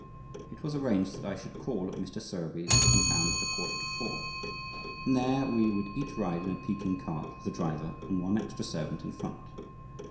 It was arranged that I should call at Mr. Sowerby's compound at a quarter to four. From there we would each ride in a Peking cart with a driver and one extra servant in front.